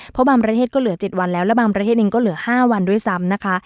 เพราะบางประเทศก็เหลือ๗วันแล้วและบางประเทศเองก็เหลือ๕วันด้วยซ้ำนะคะ